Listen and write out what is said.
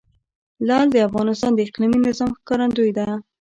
لعل د افغانستان د اقلیمي نظام ښکارندوی ده.